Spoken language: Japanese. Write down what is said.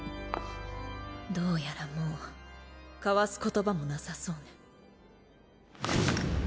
どうやらもう交わす言葉もなさそうね。